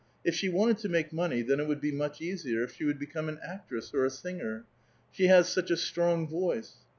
If she wanted to make money, then it would be much easier if she would become an actress, or a singer : she has such a strong voice.